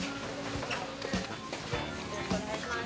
よろしくお願いします。